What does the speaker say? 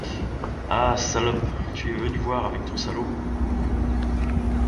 Ah ! salope, tu es venue voir avec ton salop…